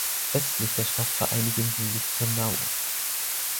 Östlich der Stadt vereinigen sie sich zur Nau.